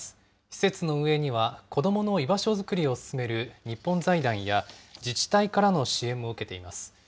施設の運営には子どもの居場所作りを進める日本財団や、自治体からの支援も受けています。